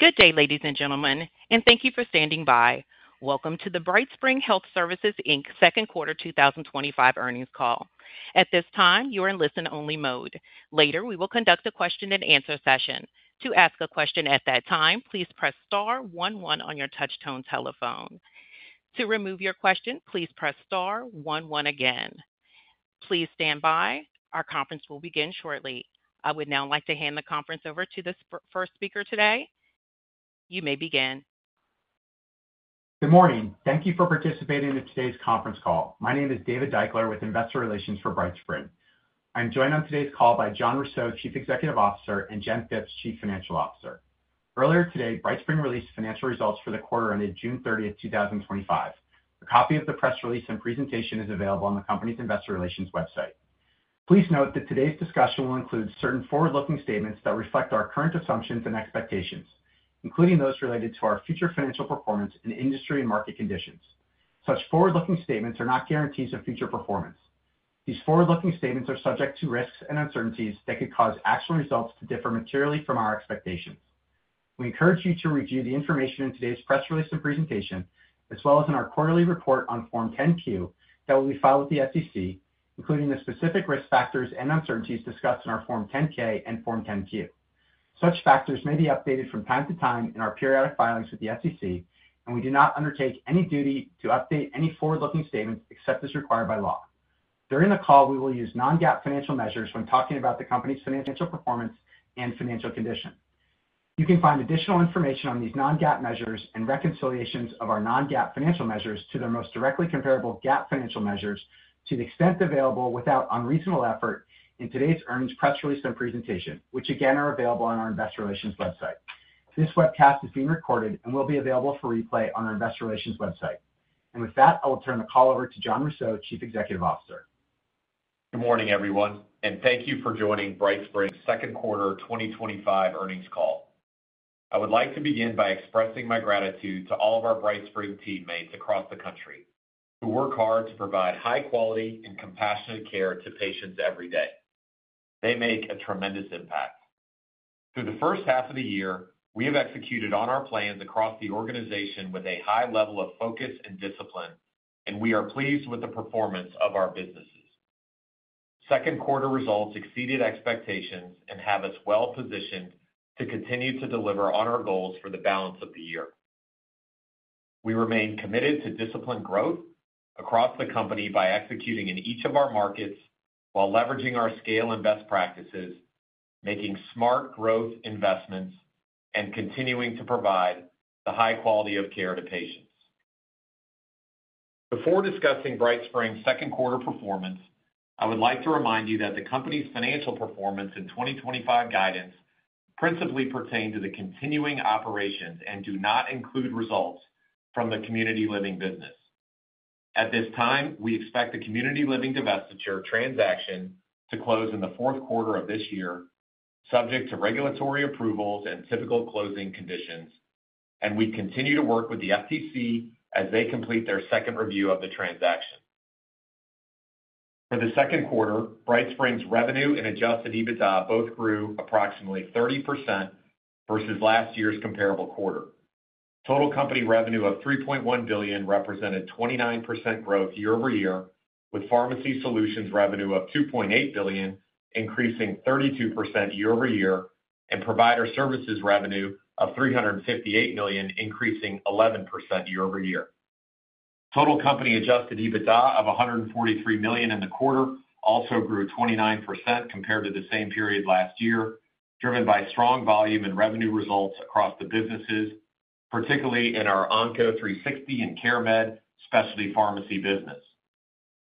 Good day, ladies and gentlemen, and thank you for standing by. Welcome to the BrightSpring Health Services, Inc. second quarter 2025 earnings call. At this time, you are in listen-only mode. Later, we will conduct a question and answer session. To ask a question at that time, please press Star, one, one on your touchtone telephone. To remove your question, please press Star, one, one again. Please stand by. Our conference will begin shortly. I would now like to hand the conference over to the first speaker today. You may begin. Good morning. Thank you for participating in today's conference call. My name is David Deuchler with Investor Relations for BrightSpring. I'm joined on today's call by Jon Rousseau, Chief Executive Officer, and Jennifer Phipps, Chief Financial Officer. Earlier today, BrightSpring released financial results for the quarter ended June 30, 2025. A copy of the press release and presentation is available on the company's Investor Relations website. Please note that today's discussion will include certain forward-looking statements that reflect our current assumptions and expectations, including those related to our future financial performance and industry and market conditions. Such forward-looking statements are not guarantees of future performance. These forward-looking statements are subject to risks and uncertainties that could cause actual results to differ materially from our expectations. We encourage you to review the information in today's press release and presentation as well as in our quarterly report on Form 10-Q that will be filed with the SEC, including the specific risk factors and uncertainties discussed in our Form 10-K and Form 10-Q. Such factors may be updated from time to time in our periodic filings with the SEC, and we do not undertake any duty to update any forward-looking statements except as required by law. During the call, we will use non-GAAP financial measures when talking about the Company's financial performance and financial condition. You can find additional information on these non-GAAP measures and reconciliations of our non-GAAP financial measures to their most directly comparable GAAP financial measures to the extent available without unreasonable effort in today's earnings press release and presentation, which again are available on our Investor Relations website. This webcast is being recorded and will be available for replay on our Investor Relations website. With that, I will turn the call over to Jon Rousseau, Chief Executive Officer. Good morning, everyone, and thank you for joining BrightSpring's second quarter 2025 earnings call. I would like to begin by expressing my gratitude to all of our BrightSpring teammates across the country who work hard to provide high quality and compassionate care to patients every day. They make a tremendous impact through the first half of the year. We have executed on our plans across the organization with a high level of focus and discipline, and we are pleased with the performance of our businesses. Second quarter results exceeded expectations and have us well positioned to continue to deliver on our goals for the balance of the year. We remain committed to disciplined growth across the company by executing in each of our markets while leveraging our scale and best practices, making smart growth investments, and continuing to provide the high quality of care to patients. Before discussing BrightSpring's second quarter performance, I would like to remind you that the company's financial performance and 2025 guidance principally pertain to the continuing operations and do not include results from the Community Living business at this time. We expect the Community Living divestiture transaction to close in the fourth quarter of this year, subject to regulatory approvals and typical closing conditions, and we continue to work with the FTC as they complete their second review of the transaction. For the second quarter, BrightSpring's revenue and adjusted EBITDA both grew approximately 30% versus last year's comparable quarter. Total company revenue of $3.1 billion represented 29% growth year-over-year, with Pharmacy Solutions revenue of $2.8 billion increasing 32% year-over-year and Provider Services revenue of $358 million increasing 11% year-over-year. Total company adjusted EBITDA of $143 million in the quarter also grew 29% compared to the same period last year, driven by strong volume and revenue results across the businesses, particularly in our Onco360 and CareMed specialty pharmacy business.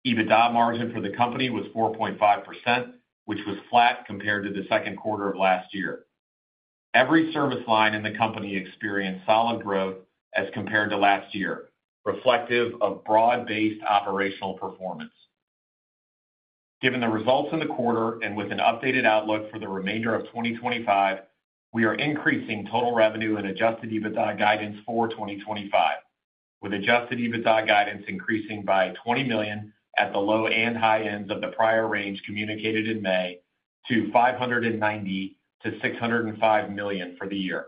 EBITDA margin for the company was 4.5%, which was flat compared to the second quarter of last year. Every service line in the company experienced solid growth as compared to last year, reflective of broad-based operational performance. Given the results in the quarter and with an updated outlook for the remainder of 2025, we are increasing total revenue and adjusted EBITDA guidance for 2025, with adjusted EBITDA guidance increasing by $20 million at the low and high ends of the prior range communicated in May to $590 million-$605 million for the year.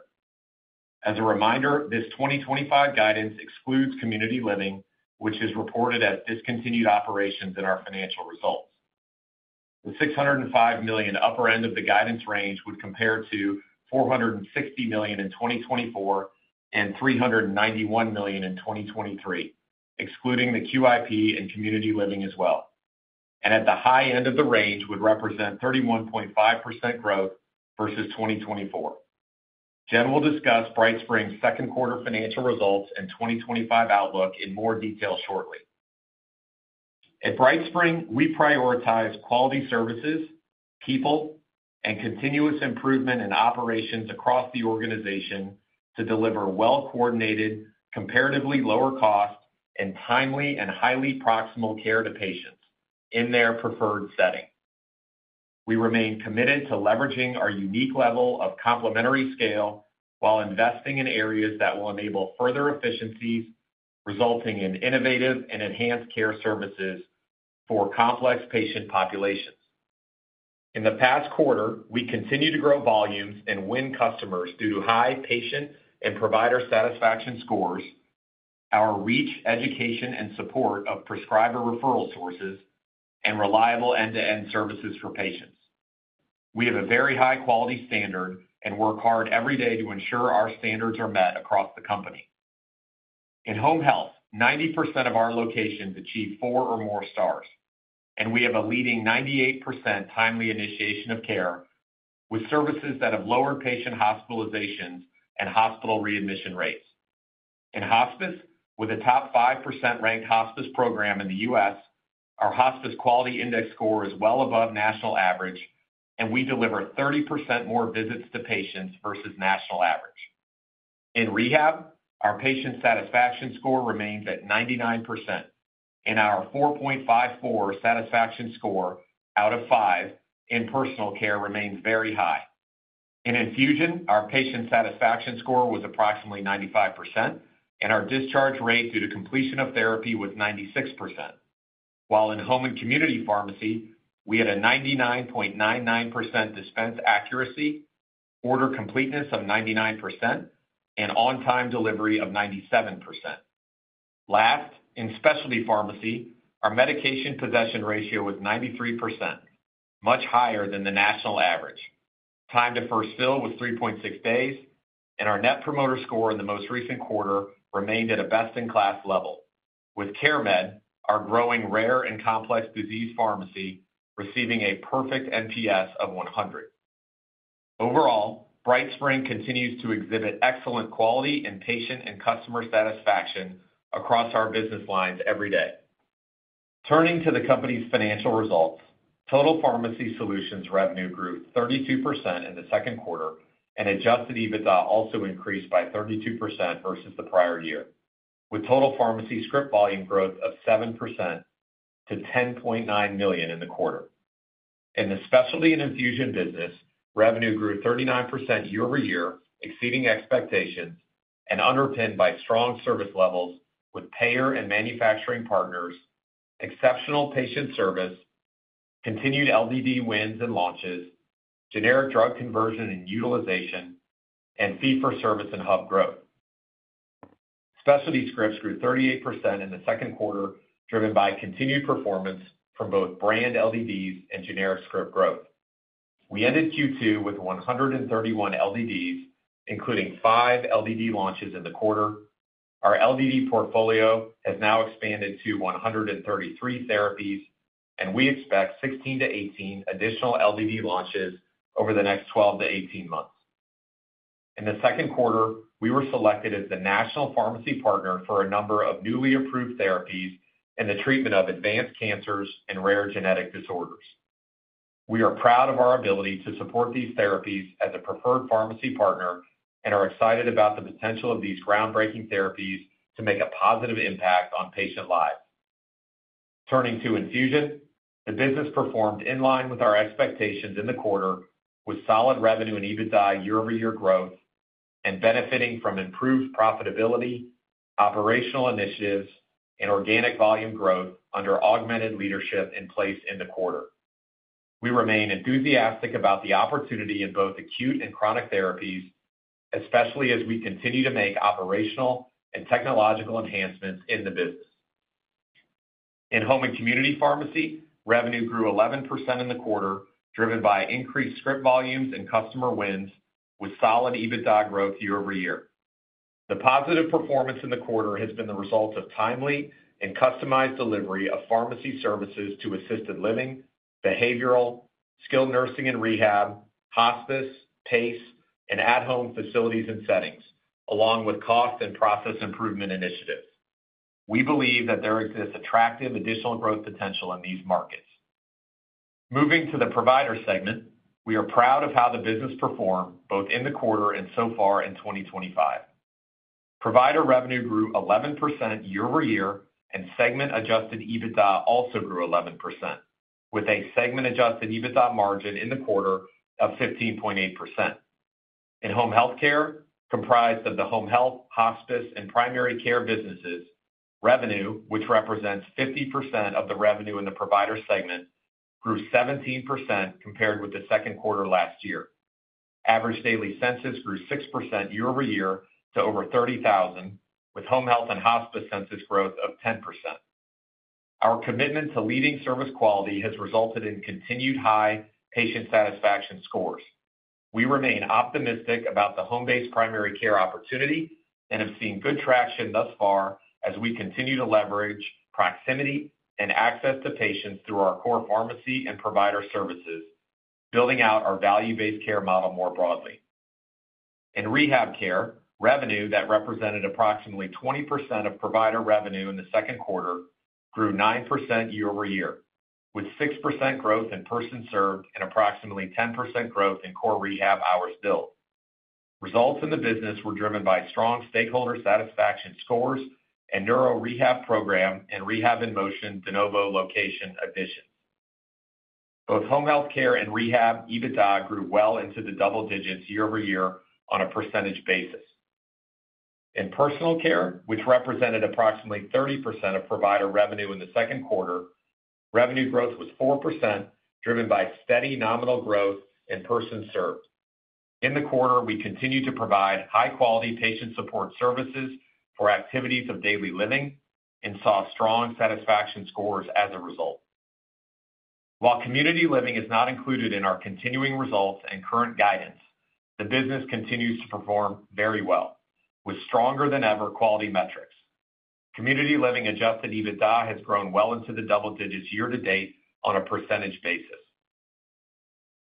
As a reminder, this 2025 guidance excludes Community Living, which is reported as discontinued operations in our financial results. The $605 million upper end of the guidance range would compare to $460 million in 2024 and $391 million in 2023 excluding the QIP and Community Living as well, and at the high end of the range would represent 31.5% growth versus 2024. Jen will discuss BrightSpring's second quarter financial results and 2025 outlook in more detail shortly. At BrightSpring, we prioritize quality services, people, and continuous improvement in operations across the organization to deliver well-coordinated, comparatively lower cost, timely, and highly proximal care to patients in their preferred setting. We remain committed to leveraging our unique level of complementary scale while investing in areas that will enable further efficiencies, resulting in innovative and enhanced care services for complex patient populations. In the past quarter, we continue to grow volumes and win customers due to high patient and provider satisfaction scores, our reach, education and support of prescriber referral sources, and reliable end-to-end services for patients. We have a very high quality standard and work hard every day to ensure our standards are met across the company. In home health, 90% of our locations achieve four or more stars, and we have a leading 98% timely initiation of care with services that have lowered patient hospitalizations and hospital readmission rates. In hospice, with a top 5% ranked hospice program in the U.S., our hospice quality index score is well above national average, and we deliver 30% more visits to patients versus national average. In rehab, our patient satisfaction score remains at 99%, and our 4.54 satisfaction score out of five in personal care remains very high. In infusion, our patient satisfaction score was approximately 95%, and our discharge rate due to completion of therapy was 96%, while in home and community pharmacy we had a 99.99% dispense accuracy, order completeness of 99%, and on-time delivery of 97%. Last, in specialty pharmacy, our medication possession ratio was 93%, much higher than the national average time to first fill was 3.6 days. Our net promoter score in the most recent quarter remained at a best-in-class level with CareMed, our growing rare and complex disease pharmacy, receiving a perfect NPS of 100. Overall, BrightSpring continues to exhibit excellent quality and patient and customer satisfaction across our business lines every day. Turning to the company's financial results, total Pharmacy Solutions revenue grew 32% in the second quarter and adjusted EBITDA also increased by 32% versus the prior year, with total pharmacy script volume growth of 7% to 10.9 million in the quarter. In the specialty and infusion business, revenue grew 39% year over year, exceeding expectations and underpinned by strong service levels with payer and manufacturing partners. Exceptional patient service continued, LDD wins and launches, generic drug conversion and utilization, and fee-for-service and hub growth. Specialty scripts grew 38% in the second quarter, driven by continued performance from both brand LDDs and generic script growth. We ended Q2 with 131 LDDs, including five LDD launches in the quarter. Our LDD portfolio has now expanded to 133 therapies, and we expect 16 to 18 additional LDD launches over the next 12 to 18 months. In the second quarter, we were selected as the National Pharmacy Partner for a number of newly approved therapies in the treatment of advanced cancers and rare genetic disorders. We are proud of our ability to support these therapies as a preferred pharmacy partner and are excited about the potential of these groundbreaking therapies to make a positive impact on patient lives. Turning to infusion, the business performed in line with our expectations in the quarter with solid revenue and EBITDA year-over-year growth and benefiting from improved profitability, operational initiatives, and organic volume growth. Under augmented leadership in place in the quarter, we remain enthusiastic about the opportunity in both acute and chronic therapies, especially as we continue to make operational and technological enhancements in the business. In home and community Pharmacy revenue grew 11% in the quarter, driven by increased script volumes and customer wins. With solid EBITDA growth year-over-year, the positive performance in the quarter has been the result of timely and customized delivery of pharmacy services to assisted living, behavioral health, skilled nursing and rehab, hospice, PACE, and at-home facilities and settings, along with cost and process improvement initiatives. We believe that there exists attractive additional growth potential in these markets. Moving to the Provider Services segment, we are proud of how the business performed, both in the quarter and so far. In 2025, provider revenue grew 11% year-over-year and segment adjusted EBITDA also grew 11% with a segment adjusted EBITDA margin in the quarter of 15.8%. In home health care, comprised of the home health, hospice, and primary care businesses, revenue, which represents 50% of the revenue in the provider segment, grew 17% compared with the second quarter last year. Average daily census grew 6% year-over-year to over $30,000, with home health and hospice census growth of 10%. Our commitment to leading service quality has resulted in continued high patient satisfaction scores. We remain optimistic about the home based primary care opportunity and have seen good traction thus far as we continue to leverage proximity and access to patients through our core pharmacy and provider services, building out our value-based care model. More broadly, in rehab care, revenue that represented approximately 20% of provider revenue in the second quarter grew 9% year-over-year with 6% growth in persons served and approximately 10% growth in core rehab hours billed. Results in the business were driven by strong stakeholder satisfaction scores and neuro rehab program and Rehab in Motion de novo location additions. Both home health care and rehab EBITDA grew well into the double digits year over year on a percentage basis. In personal care, which represented approximately 30% of provider revenue in the second quarter, revenue growth was 4%, driven by steady nominal growth in persons served in the quarter. We continued to provide high quality patient support services for activities of daily living and saw strong satisfaction scores as a result. While Community Living is not included in our continuing results and current guidance, the business continues to perform very well with stronger than ever quality metrics. Community Living adjusted EBITDA has grown well into the double digits year to date on a percentage basis.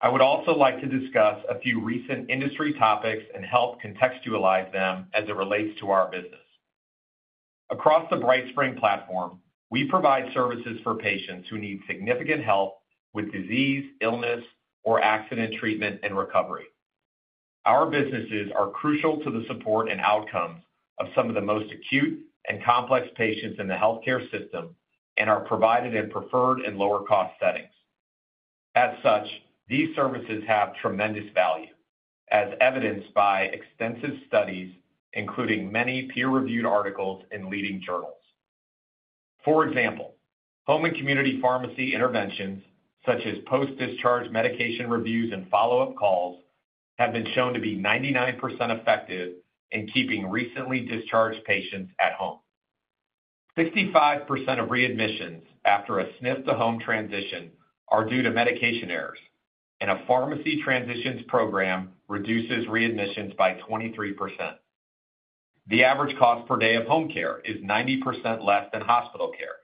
I would also like to discuss a few recent industry topics and help contextualize them as it relates to our business across the BrightSpring platform. We provide services for patients who need significant help with disease, illness, or accident treatment and recovery. Our businesses are crucial to the support and outcomes of some of the most acute and complex patients in the healthcare system and are provided in preferred and lower cost settings. As such, these services have tremendous value as evidenced by extensive studies, including many peer-reviewed articles in leading journals. For example, home and community pharmacy interventions such as post-discharge medication reviews and follow-up calls have been shown to be 99% effective in keeping recently discharged patients at home. 65% of readmissions after a SNF to home transition are due to medication errors, and a pharmacy transitions program reduces readmissions by 23%. The average cost per day of home care is 90% less than hospital care,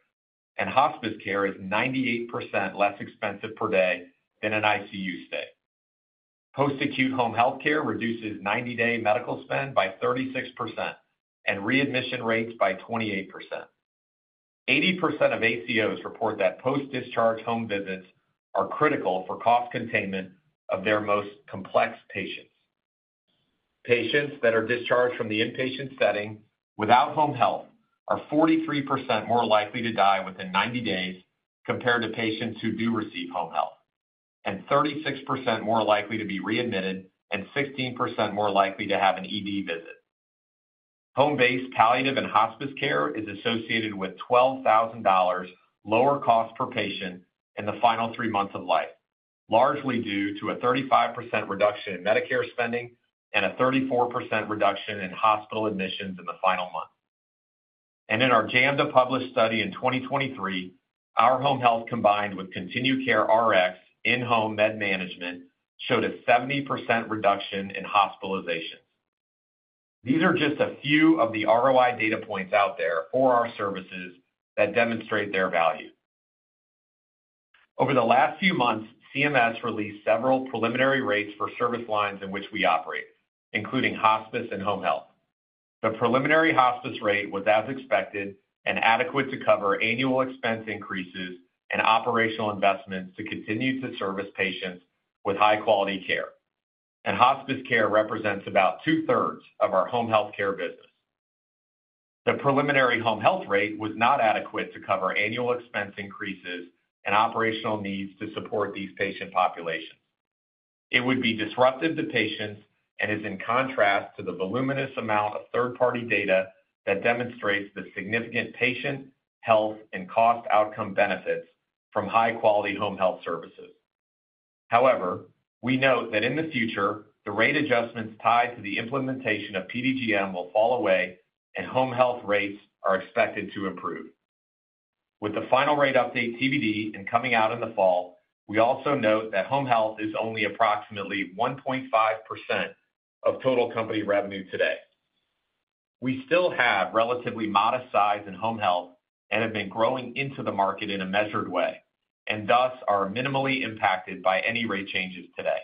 and hospice care is 98% less expensive per day than an ICU stay. Post-acute home healthcare reduces 90-day medical spend by 36% and readmission rates by 28%. 80% of ACOs report that post-discharge home visits are critical for cost containment of their most complex patients. Patients that are discharged from the inpatient setting without home health are 43% more likely to die within 90 days compared to patients who do receive home health, 36% more likely to be readmitted, and 16% more likely to have an ED visit. Home-based palliative and hospice care is associated with $12,000 lower cost per patient in the final three months of life. Largely due to a 35% reduction in Medicare spending and a 34% reduction in hospital admissions in the final month. In our JAMDA published study in 2023, our home health combined with continued care Rx in-home med management showed a 70% reduction in hospitalizations. These are just a few of the ROI data points out there for our services that demonstrate their value. Over the last few months, CMS released several preliminary rates for service lines in which we operate, including hospice and home health. The preliminary hospice rate was as expected and adequate to cover annual expense increases and operational investments to continue to service patients with high quality care, and hospice care represents about two thirds of our home health care business. The preliminary home health rate was not adequate to cover annual expense increases and operational needs to support these patient populations. It would be disruptive to patients and is in contrast to the voluminous amount of third-party data that demonstrates the significant patient health and cost outcome benefits from high quality home health services. However, we note that in the future the rate adjustments tied to the implementation of PDGM will fall away and home health rates are expected to improve with the final rate update TBD and coming out in the fall. We also note that home health is only approximately 1.5% of total company revenue today. We still have relatively modest size in home health and have been growing into the market in a measured way and thus are minimally impacted by any rate changes today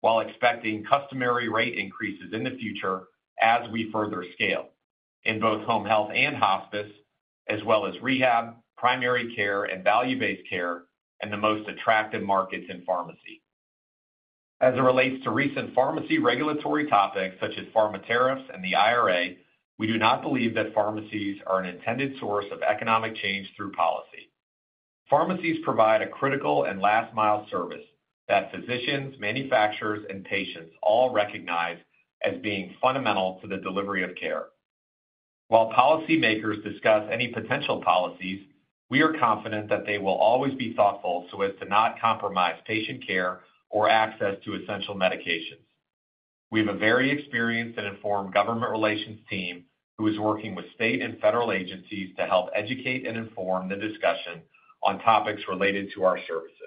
while expecting customary rate increases in the future as we further scale in both home health and hospice as well as rehab, primary care, and value-based care and the most attractive markets in pharmacy. As it relates to recent pharmacy regulatory topics such as pharma tariffs and the IRA, we do not believe that pharmacies are an intended source of economic change through policy. Pharmacies provide a critical and last mile service that physicians, manufacturers, and patients all recognize as being fundamental to the delivery of care. While policymakers discuss any potential policies, we are confident that they will always be thoughtful so as to not compromise patient care or access to essential medications. We have a very experienced and informed government relations team who is working with state and federal agencies to help educate and inform the discussion on topics related to our services.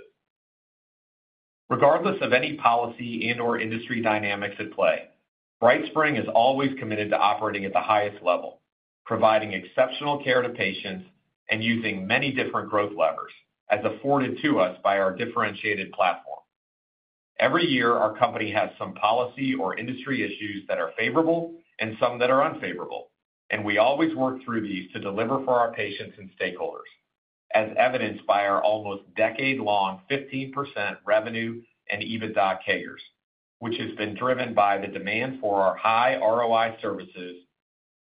Regardless of any policy and or industry dynamics at play, BrightSpring is always committed to operating at the highest level, providing exceptional care to patients and using many different growth levers as afforded to us by our differentiated platform. Every year our company has some policy or industry issues that are favorable and some that are unfavorable, and we always work through these to deliver for our patients and stakeholders as evidenced by our almost decade-long 15% revenue and EBITDA CAGRs, which has been driven by the demand for our high ROI services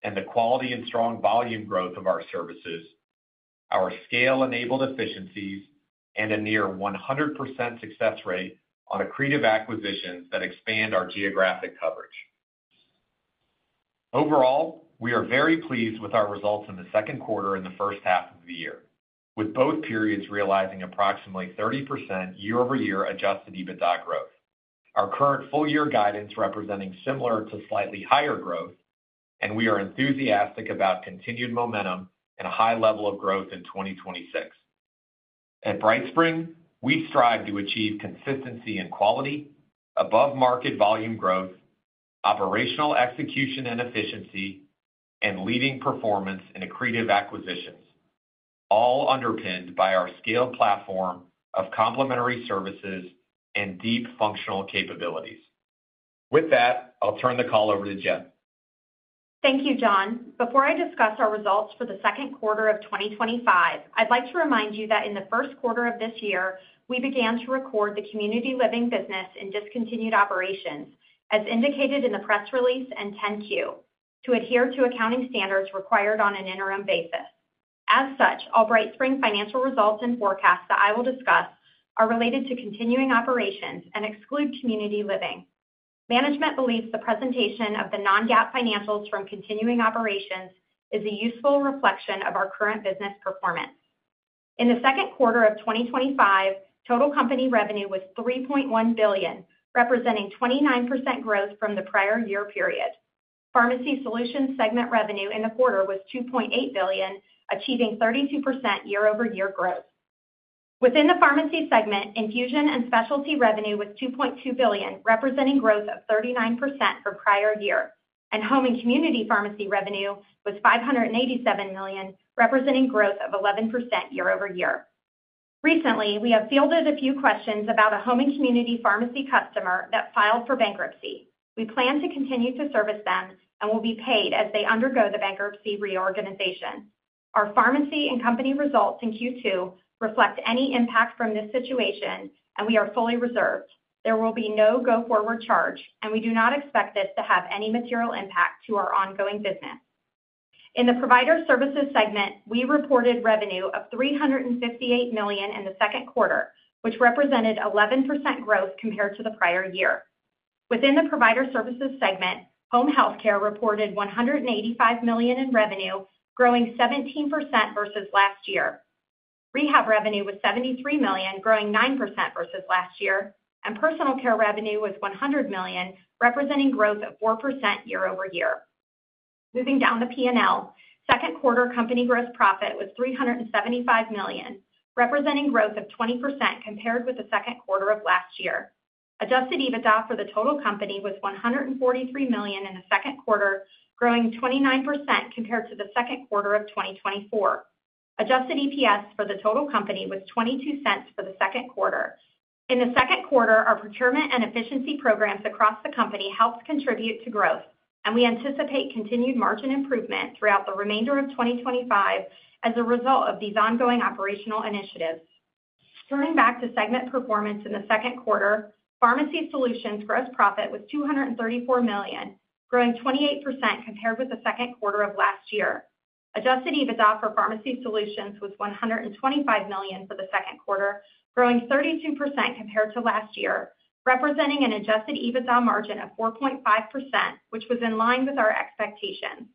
and the quality and strong volume growth of our services, our scale-enabled efficiencies, and a near 100% success rate on accretive acquisitions that expand our geographic coverage. Overall, we are very pleased with our results in the second quarter and the first half of the year, with both periods realizing approximately 30% year-over-year adjusted EBITDA growth, our current full year guidance representing similar to slightly higher growth, and we are enthusiastic about continued momentum and a high level of growth in 2026. At BrightSpring, we strive to achieve consistency and quality above market volume growth, operational execution and efficiency, and leading performance in accretive acquisitions, all underpinned by our scaled platform of complementary services and deep functional capabilities. With that, I'll turn the call over to Jen. Thank you, Jon. Before I discuss our results for the second quarter of 2025, I'd like to remind you that in the first quarter of this year we began to record the Community Living business in discontinued operations as indicated in the press release and 10-Q to adhere to accounting standards required on an interim basis. As such, all BrightSpring financial results and forecasts that I will discuss are related to continuing operations and exclude Community Living. Management believes the presentation of the non-GAAP financials from continuing operations is a useful reflection of our current business performance. In the second quarter of 2025, total company revenue was $3.1 billion, representing 29% growth from the prior year period. Pharmacy Solutions segment revenue in the quarter was $2.8 billion, achieving 32% year-over-year growth. Within the Pharmacy segment, infusion and specialty revenue was $2.2 billion, representing growth of 39% from the prior year, and home and community pharmacy revenue was $587 million, representing growth of 11% year-over-year. Recently, we have fielded a few questions about a home and community pharmacy customer that filed for bankruptcy. We plan to continue to service them and will be paid as they undergo the bankruptcy reorganization. Our pharmacy and company results in Q2 reflect any impact from this situation, and we are fully reserved. There will be no go-forward charge, and we do not expect this to have any material impact to our ongoing business. In the Provider Services segment, we reported revenue of $358 million in the second quarter, which represented 11% growth compared to the prior year. Within the Provider Services segment, home health care reported $185 million in revenue, growing 17% versus last year. Rehab revenue was $73 million, growing 9% versus last year, and personal care revenue was $100 million, representing growth of 4% year-over-year. Moving down the P&L, second quarter company gross profit was $375 million, representing growth of 20% compared with the second quarter of last year. Adjusted EBITDA for the total company was $143 million in the second quarter, growing 29% compared to the second quarter of 2024. Adjusted EPS for the total company was $0.22 for the second quarter. Our procurement and efficiency programs across the company helped contribute to growth, and we anticipate continued margin improvement throughout the remainder of 2025 as a result of these ongoing operational initiatives. Turning back to segment performance in the second quarter, Pharmacy Solutions gross profit was $234 million, growing 28% compared with the second quarter of last year. Adjusted EBITDA for Pharmacy Solutions was $125 million for the second quarter, growing 32% compared to last year, representing an adjusted EBITDA margin of 4.5%, which was in line with our expectations.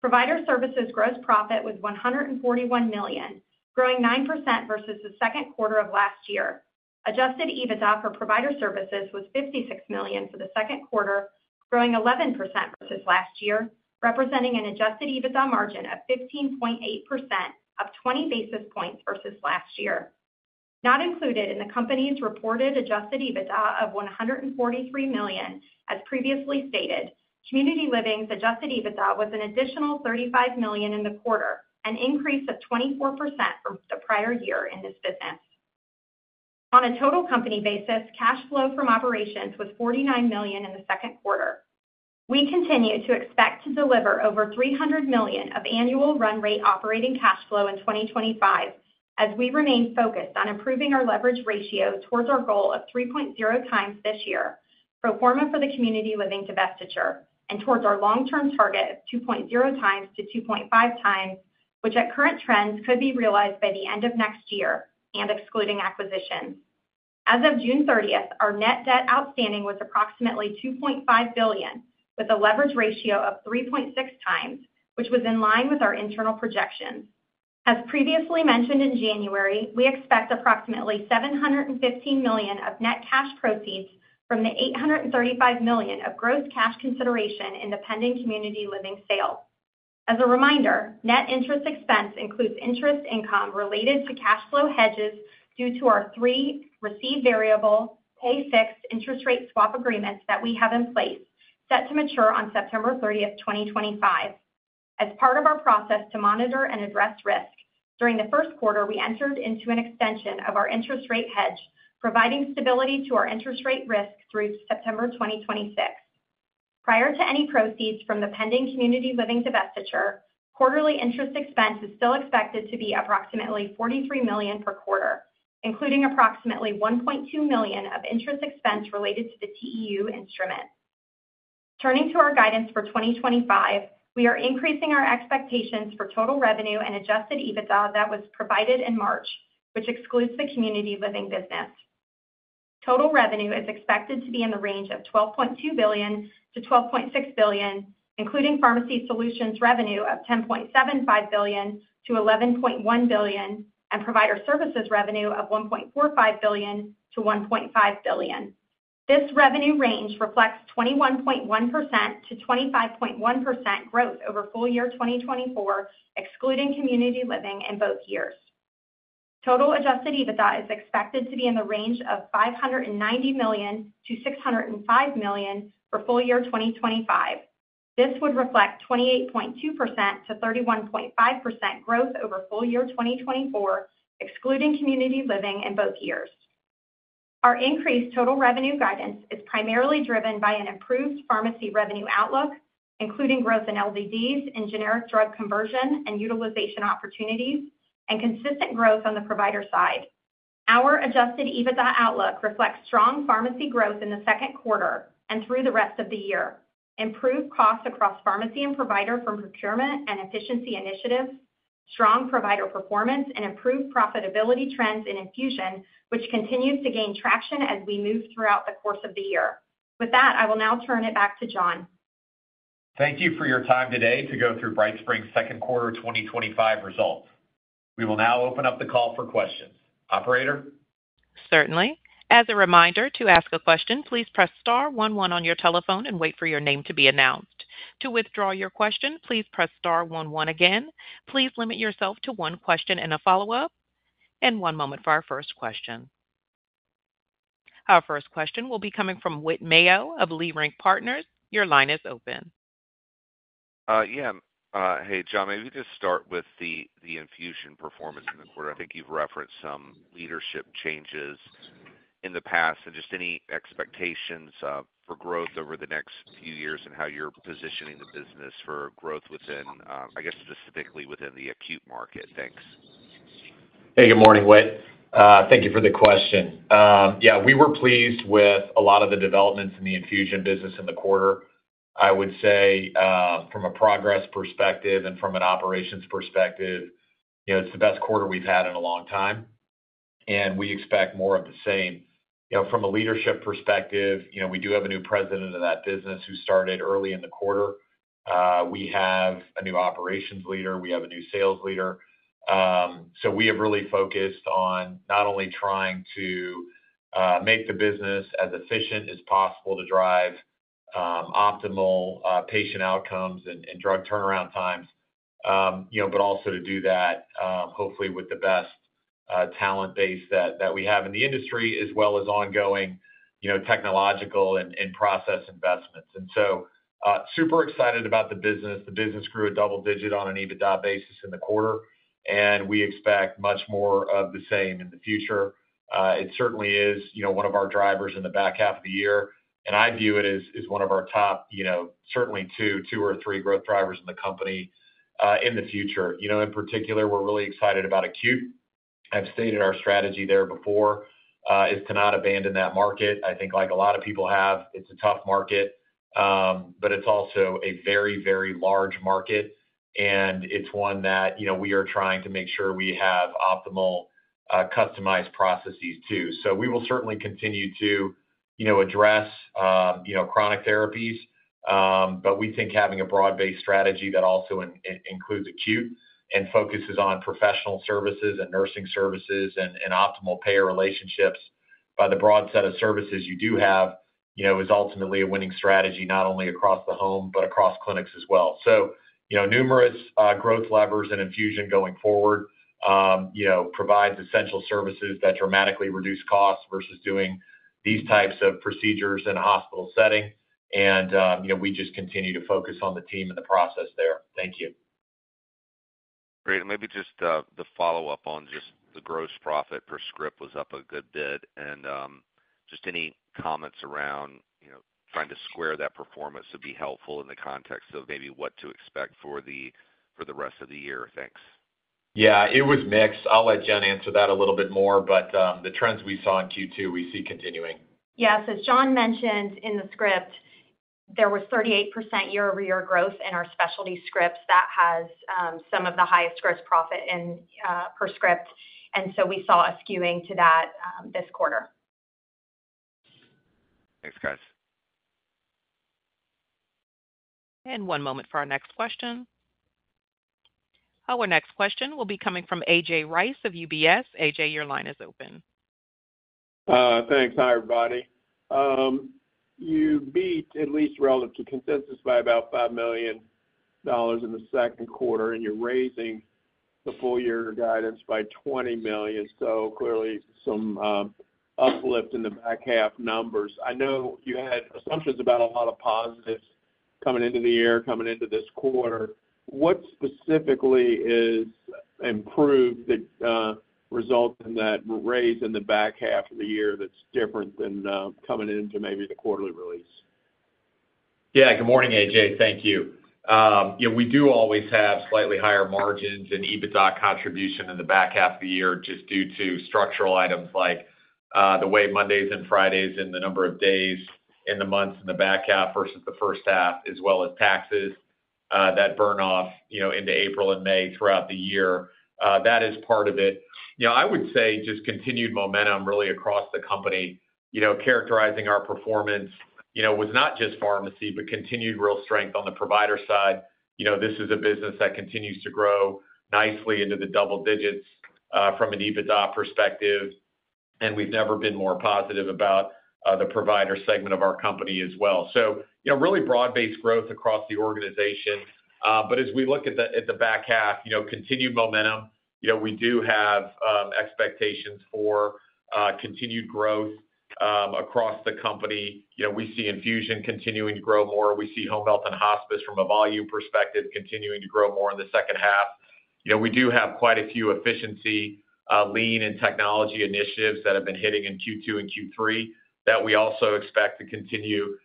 Provider Services gross profit was $141 million, growing 9% versus the second quarter of last year. Adjusted EBITDA for Provider Services was $56 million for the second quarter, growing 11% versus last year, representing an adjusted EBITDA margin of 15.8%, up 20 basis points versus last year, not included in the company's reported adjusted EBITDA of $143 million. As previously stated, Community Living's adjusted EBITDA was an additional $35 million in the quarter, an increase of 24% from the prior year in this business. On a total company basis, cash flow from operations was $49 million in the second quarter. We continue to expect to deliver over $300 million of annual run rate operating cash flow in 2025 as we remain focused on improving our leverage ratio towards our goal of 3.0x this year pro forma for the Community Living divestiture and towards our long term target of 2.0x-2.5x, which at current trends could be realized by the end of next year and excluding acquisitions. As of June 30th, our net debt outstanding was approximately $2.5 billion with a leverage ratio of 3.6x, which was in line with our internal projections. As previously mentioned, in January we expect approximately $715 million of net cash proceeds from the $835 million of gross cash consideration in the pending Community Living sale. As a reminder, net interest expense includes interest income related to cash flow hedges due to our three received variable pay fixed interest rate swap agreements that we have in place set to mature on September 30th, 2025. As part of our process to monitor and address risk during the first quarter, we entered into an extension of our interest rate hedge fund, providing stability to our interest rate risk through September 2026. Prior to any proceeds from the pending Community Living divestiture, quarterly interest expense is still expected to be approximately $43 million per quarter, including approximately $1.2 million of interest expense related to the TEU instrument. Turning to our guidance for 2025, we are increasing our expectations for total revenue and adjusted EBITDA that was provided in March, which excludes the Community Living business. Total revenue is expected to be in the range of $12.2 billion-$12.6 billion, including Pharmacy Solutions revenue of $10.75 billion-$11.1 billion and Provider Services revenue of $1.45 billion-$1.5 billion. This revenue range reflects 21.1%-25.1% growth over full year 2024, excluding Community Living in both years. Total adjusted EBITDA is expected to be in the range of $590 million-$605 million for full year 2025. This would reflect 28.2%-1.5% growth over full year 2024, excluding Community Living in both years. Our increased total revenue guidance is primarily driven by an improved pharmacy revenue outlook, including growth in LDDs and generic drug conversion and utilization opportunities and consistent growth on the provider side. Our adjusted EBITDA outlook reflects strong pharmacy growth in the second quarter and through the rest of the year, improved costs across pharmacy and provider from procurement and efficiency initiatives, strong provider performance and improved profitability trends in infusion, which continues to gain traction as we move throughout the course of the year. With that, I will now turn it back to Jon. Thank you for your time today to go through BrightSpring Health Services' second quarter 2025 results. We will now open up the call for questions. Operator? Certainly. As a reminder to ask a question, please press star, one, one on your telephone and wait for your name to be announced. To withdraw your question, please press star, one, one again. Please limit yourself to one question and a follow up, and one moment for our first question. Our first question will be coming from Whit Mayo of Leerink Partners. Your line is open. Yeah, hey Jon, maybe just start with the infusion performance in the quarter. I think you've referenced some leadership changes in the past and just any expectations for growth over the next few years and how you're positioning the business for growth within, i guess specifically within the acute market. Thanks. Hey, good morning, Whit. Thank you for the question. Yeah, we were pleased with a lot of the developments in the infusion business in the quarter. I would say from a progress perspective and from an operations perspective, you know it's the best quarter we've had in a long time, and we expect more of the same. From a leadership perspective, we do have a new President of that business, who started early in the quarter. We have a new operations leader. Have a new sales leader. We have really focused on not only trying to make the business as efficient as possible to drive optimal patient. Outcomes and drug turnaround, but also to do that hopefully with the best talent base that we have in the industry, as well as ongoing technological and process investments. Super excited about the business. The business grew double digit on adjusted EBITDA basis in the quarter. We expect much more of the same in the future. It certainly is one of our drivers. In the back half of the year. I view it as one of our top, certainly two or three, growth. Drivers in the company in the future. In particular, we're really excited about acute. I've stated our strategy there before is to not abandon that market. I think like a lot of people have, it's a tough market, but it's also a very, very large market. It's one that we are trying to make sure we have optimal customized processes too. We will certainly continue to address chronic therapies. We think having a broad-based strategy that also includes acute and focuses on professional services and nursing services. Optimal payer relationships by the broad set of services you do have is ultimately a winning strategy, not only across the home, but across clinics as well. Numerous growth levers in infusion going forward provide essential services that dramatically reduce costs versus doing these types of procedures in a hospital setting. We just continue to focus on the team and the process there. Thank you. Great. Maybe just the follow-up on just the gross profit per script was up a good bit. Any comments around trying to square that performance would be helpful in the context of maybe what to expect for the rest of the year. Thanks. Yeah, it was mixed. I'll let Jen answer that a little bit more. The trends we saw in Q2 we see continuing. Yes, as Jon mentioned in the script, there was 38% year-over-year growth in our specialty scripts. That has some of the highest gross profit per script, and we saw a skewing to that this quarter. Thanks guys. One moment for our next question. Our next question will be coming from AJ Rice of UBS. AJ, your line is open. Thanks. Hi everybody. You beat, at least relative to consensus by about $5 million in the second quarter, and you're raising the full year guidance by $20 million. Clearly some uplift in the back half numbers. I know you had assumptions about a lot of positives coming into the year, coming into this quarter. What specifically is improved that result in that raise in the back half of the year that's different than coming into maybe the quarterly release? Yeah. Good morning, AJ. Thank you. We do always have slightly higher margins and EBITDA contribution in the back half of the year just due to structural items like the way Mondays and Fridays and the number of days in the months in the back half versus the first half, as well as taxes that burn off into April and May throughout the year. That is part of it. I would say just continued momentum really across the company. Characterizing our performance was not just pharmacy, but continued real strength on the provider side. This is a business that continues to grow nicely into the double digits from an EBITDA perspective, and we've never been more positive about the provider segment. Our company as well. Really broad based growth across the organization. As we look at the back half, continued momentum, we do have expectations for continued growth across the company. We see infusion continuing to grow more. We see home health and hospice from a volume perspective continuing to grow more in the second half. We do have quite a few efficiency, lean, and technology initiatives that have been hitting in Q2 and Q3 that we also expect to continue to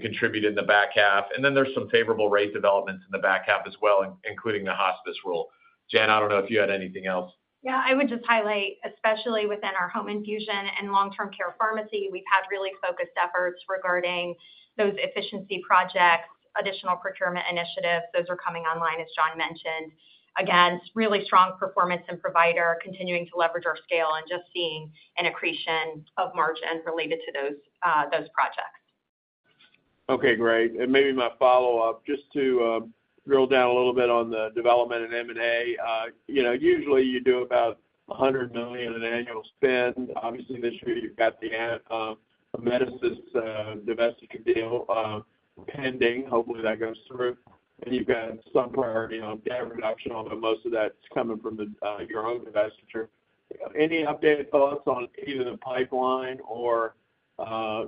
contribute in the back half. There are some favorable rate developments in the back half as well, including the hospice rule. Jen, I don't know if you had anything else. Yeah, I would just highlight especially within our home infusion and long term care pharmacy, we've had really focused efforts regarding those efficiency projects, additional procurement initiatives, those are coming online. As Jon mentioned, again, really strong performance in Provider, continuing to leverage our scale and just seeing an accretion of margin related to those projects. Okay, great. Maybe my follow up just to drill down a little bit on the development and M&A. You know, usually you do about $100 million in annual spend. Obviously this year you've got the Community Living business divestiture deal pending, hopefully that goes through. You've got some priority on debt reduction, although most of that's coming from your own divestiture. Any updated thoughts on either the pipeline or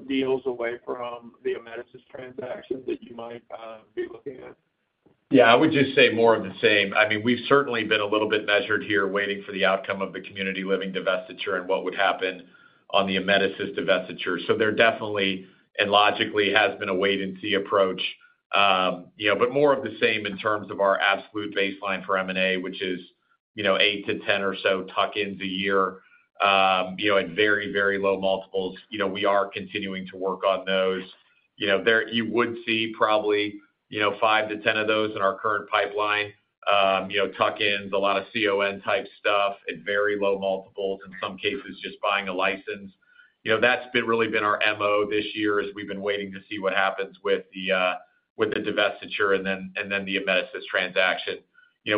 deals away from the Community Living business transaction that you might be looking at? Yeah, I would just say more of the same. I mean we've certainly been a little bit measured here waiting for the outcome of the Community Living divestiture and what would happen on the Amedisys divestiture. There definitely and logically has been a wait and see approach, but more of the same in terms of our absolute baseline for M&A, which is 8-10 or so tuck-ins a year at very, very low multiples. We are continuing to work on those. You would see probably 5-10 of those in our current pipeline. Tuck-ins, a lot of con type stuff at very low multiples. In some cases just buying a license. That's really been our MO. this year as we've been waiting to see what happens with the divestiture and then the Amedisys transaction.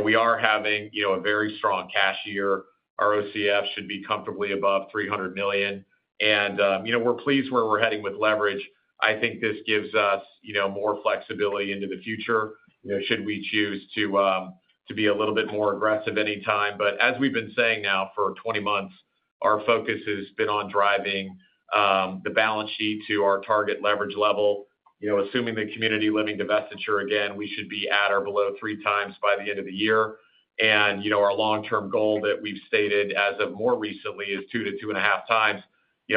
We are having a very strong cash year. Our OCF should be comfortably above $300 million, and we're pleased where we're heading with leverage. I think this gives us more flexibility into the future should we choose to be a little bit more aggressive anytime. As we've been saying now for 20 months, our focus has been on driving the balance sheet to our target leverage level. Assuming the Community Living divestiture, we should be at or below 3x by the end of the year. Our long-term goal that we've stated as of more recently is 2x-2.5x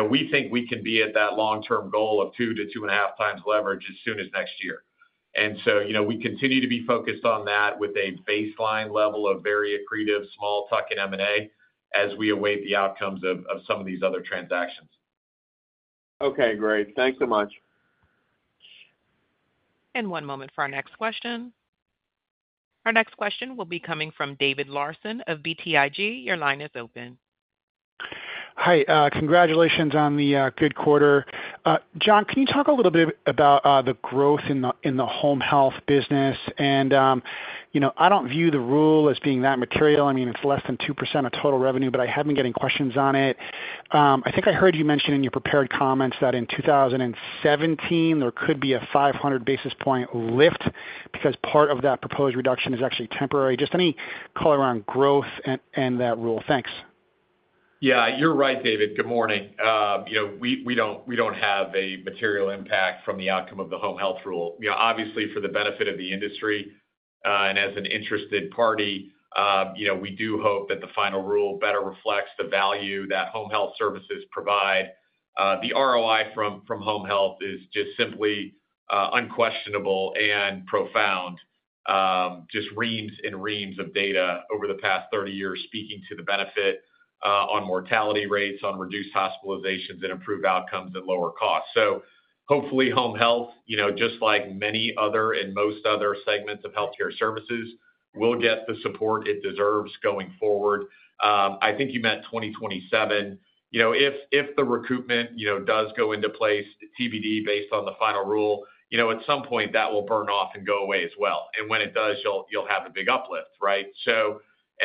We think we can be at that long-term goal of 2x-2.5x leverage as soon as next year. We continue to be focused on that with a baseline level of very accretive, small tuck-in M&A as we await the outcomes of some of these other transactions. Okay, great. Thanks so much. One moment for our next question. Our next question will be coming from David Larson of BTIG. Your line is open. Hi. Congratulations on the good quarter. Jon, can you talk a little bit about the growth in the home health business? I don't view the rule as being that material. I mean it's less than 2% of total revenue. I have been getting questions. I think I heard you mention in your prepared comments that in 2017 there could be a 500 basis point lift because part of that proposed reduction is actually temporary. Just any color on growth and that rule. Thanks. Yeah, you're right. David, good morning. We don't have a material impact from the outcome of the home health rule. Obviously for the benefit of the industry and as an interested party, we do hope that the final rule better reflects the value that home health services provide. The ROI from home health is just simply unquestionable and profound. Just reams and reams of data over the past 30 years speaking to the benefit on mortality rates, on reduced hospitalizations and improved outcomes at lower costs. Hopefully home health, just like many other and most other segments of healthcare services, will get the support it deserves going forward. I think you meant 2027. If the recoupment does go into place, TBD based on the final rule. At some point that will burn off. When it does, you'll have a big uplift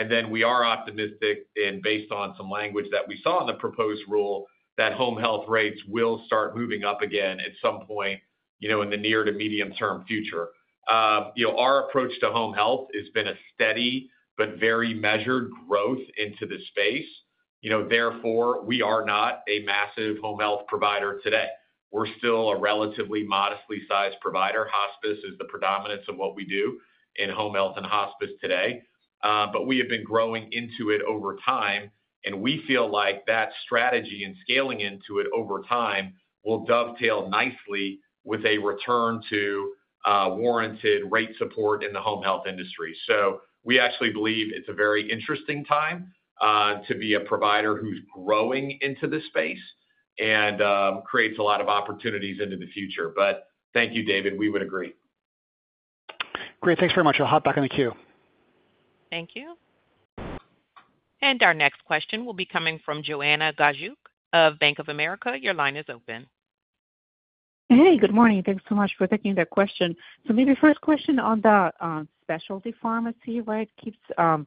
then. We are optimistic based on some language that we saw in the proposed rule, that home health rates will start moving up again at some point near to medium-term future. Our approach to home health has bee a steady but very measured growth into the space. Therefore, we are not a massive home health provider today. We're still a relatively modestly sized provider. Hospice is the predominance of what we do in home health and hospice today. We have been growing into it over time, and we feel like that strategy and scaling into it over time will dovetail nicely with a return to a warranted rate support in the home health industry. We actually believe it's a very interesting time to be a provider who's growing into this space creates a.lot of opportunities into the future. Thank you, David. We would agree. Great. Thanks very much. I'll hop back on the queue. Thank you. Our next question will be coming from Joanna Gajuk of Bank of America. Your line is open. Hey, good morning. Thanks so much for taking that question. Maybe first question on the specialty. Pharmacy, where it keeps, I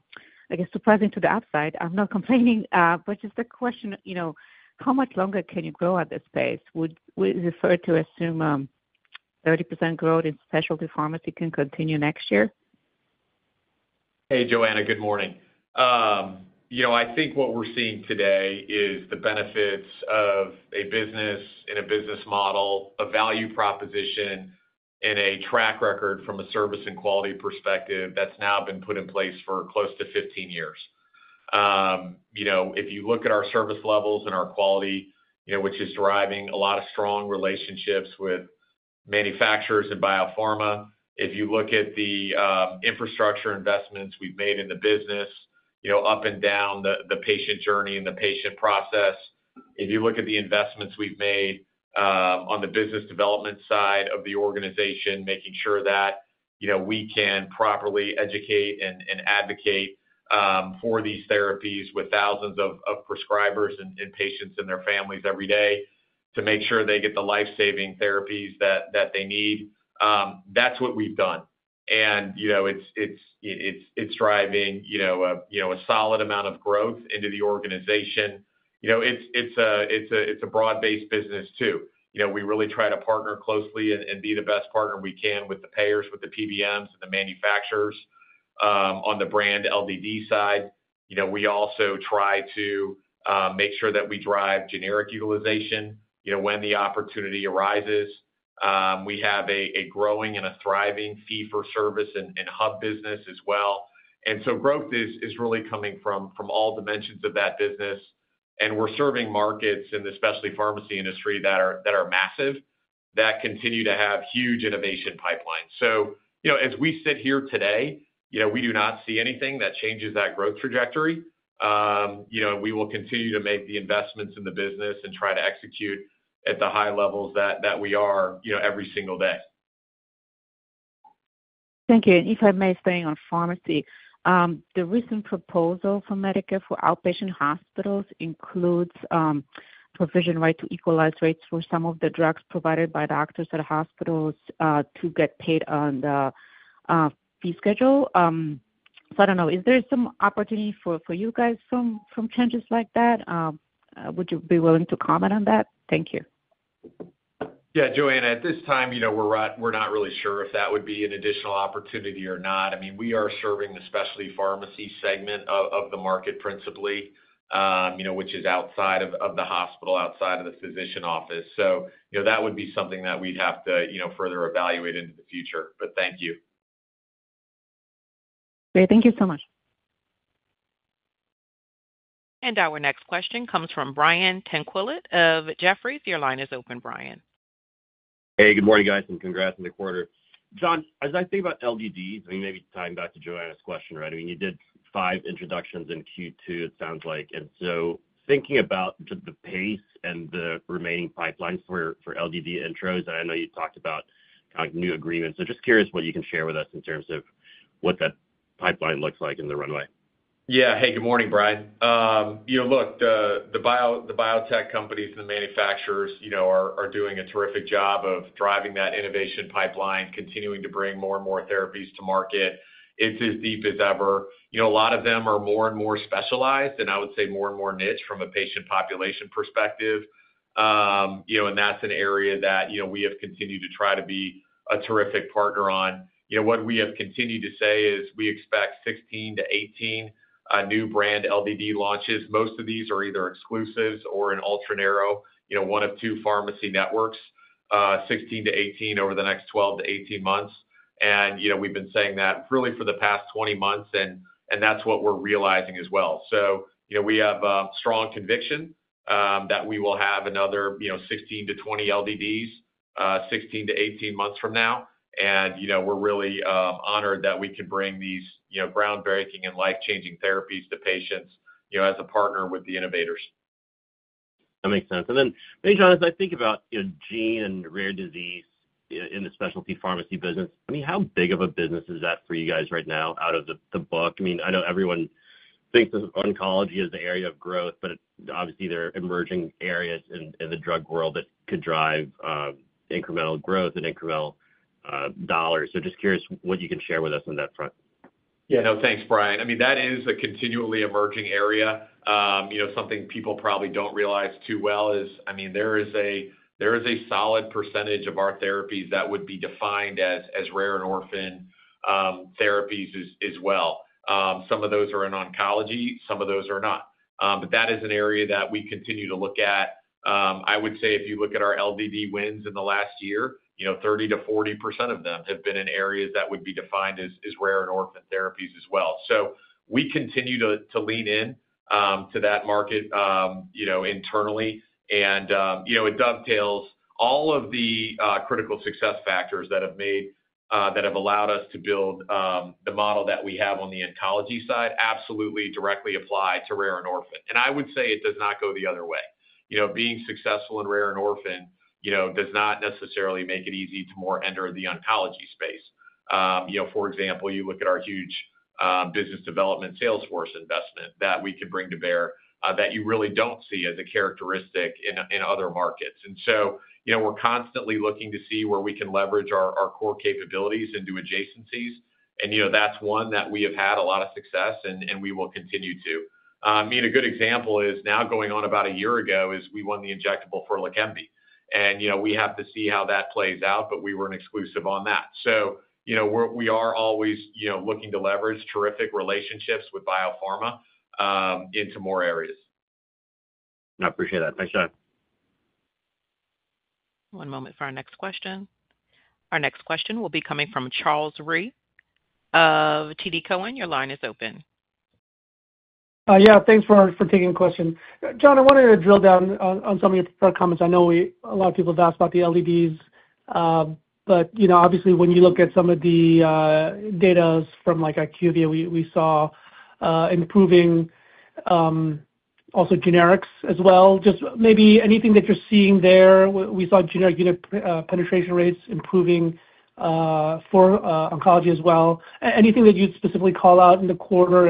guess, surprising to the upside. I'm not complaining, just the question, how much longer can yo grow at this pace? Would it be fair to assume 30% growth in specialty pharmacy can continue next year? Hey Joanna, good morning. I think what we're seeing today is the benefits of a business and a business model, a value proposition, and a track record from a service and quality perspective that's now been put in place for close to 15 years, if you look at our service levels. Our quality is driving a lot of strong relationships with manufacturers and biopharma. If you look at the infrastructure investments we've made in the business up and down the patient journey and the patient process, if you look at the investments we've made on the business development side of the organization, making sure that we can properly educate and advocate for these therapies with thousands of prescribers and patients and their families every day to make sure they get the life-saving therapies that they need, that's what we've done and it's driving a solid amount of growth into the organization. It is a broad-based business too. We really try to partner closely and be the best partner we can with the payers, with the PBMs, and the manufacturers. On the brand LDD side, we also try to make sure that we drive generic utilization when the opportunity arises. We have a growing and a thriving fee-for-service and hub business as well. Growth is really coming from all dimensions of that business. We are serving markets in the specialty pharmacy industry that are massive, that continue to have huge innovation pipelines. As we sit here today, we do not see anything that changes that growth trajectory. We will continue to make the investments in the business and try to execute at the high levels that we are every single day. Thank you. If I may stay on pharmacy, the recent proposal for Medicare for outpatient hospitals include provision right to equalize rates for some of the drugs provided by doctors at hospitals get paid on the fee schedule. I don't know, is there some opportunity for you guys from changes like that? Would you be willing to comment on that? Thank you. Yeah, Joanna, at this time, we're not really sure if that would be an additional opportunity or not. We are serving the specialty pharmacy segment of the market, principally, which is outside of the hospital, outside of the physician office. That would be something that we'd have to further evaluate into the future, but thank you. Great. Thank you so much. Our next question comes from Brian Tenquillet of Jefferies. Your line is open, Brian. Hey, good morning, guys, and congrats on the quarter. Jon, as I think about LDDs maybe tying back to Joanna's question, right? I mean, you did five introductions in Q2, it sounds like. Thinking about the pace and the remaining pipelines for LDD intros, and I know you talked about new agreements. I'm just curious what you can share with us in terms of what that pipeline looks like in the runway. Yeah. Hey, good morning, Brian. Look, the biotech companies and the manufacturers are doing a terrific job of driving that innovation pipeline, continuing to bring more are more therapies to market. It's as deep as ever. A lot of them are more and more specialized, and I would say more and more niche from a patient population perspective. That's an area that we have continued to try to be a terrific partner on. What we have continued to say is we expect 16-18 new brand LDD launches. Most of these are either exclusives or an ultra-narrow one of two pharmacy networks 16-18 over the next 12-18 months. We've been saying that really for the past 20 months. That's what we're realizing as well. We have strong conviction that we will have another 16-20 LDDs 16-18 months from now. We're really honored that we can bring these groundbreaking and life-changing therapies to patients as a partner with the innovators. That makes sense. As I think about gene and rare disease in the specialty pharmacy business, how big of a business is that for you guys right now out of the book? I know everyone thinks of oncology as the area of growth, but obviously there are emerging areas in the drug world that could drive incremental growth and incremental dollars. I am just curious what you can share with us on that front. Yeah, no thanks, Brian. That is a continually emerging area. Something people probably don't realize too well is, there is a solid percentage of our therapies that would be defined as rare and orphan therapies as well. Some of those are in oncology, some of those are not. That is an area that we continue to look at. I would say if you look at our LDD wins in the last year. 30%-40% of them have been in areas that would be defined as rare and orphan therapies as well. We continue to lean in to that market internally. It dovetails all of the critical success factors that have allowed us to build the model that we have on the oncology side. Absolutely. Directly apply to rare and orphan. I would say it does not go the other. Being successful in rare and orphan does not necessarily make it easy to more enter the oncology space. For example, you look at our huge business development, sales force investment that we could bring to bear, that you really don't see as a characteristic in other markets. We're constantly looking to see where we can leverage our core capabilities into adjacencies. That's one that we have had a lot of success and we will continue to. I mean a good example is now going on about a year ago, we won the injectable for Leqembi and we have to see how that plays out. We were an exclusive on that. We are always looking to leverage terrific relationships with biopharma into more areas. I appreciate that. Thanks, Jon. One moment for our next question. Our next question will be coming from Charles Rhyee of TD Cowen. Your line is open. Yeah, thanks for taking the question, Jon. I wanted to drill down on some of your prepared comments. I know a lot of people have asked about the LDDs. Obviously, when you look at some of the data from IQVIA, we saw improving also generics as well. Just maybe anything that you're seeing there. We saw generic unit penetration rates improving for oncology as well. Anything that you'd specifically call out in the quarter?